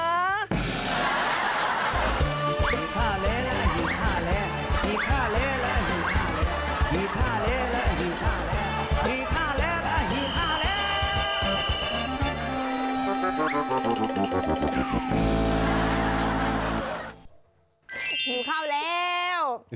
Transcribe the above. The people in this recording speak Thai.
หิวข้าวแล้ว